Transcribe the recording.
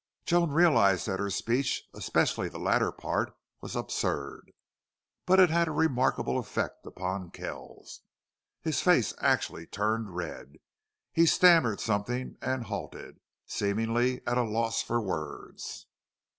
Joan realized that her speech, especially the latter part, was absurd. But it had a remarkable effect upon Kells. His face actually turned red. He stammered something and halted, seemingly at a loss for words.